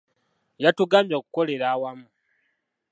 Yatugambye okukolera awamu.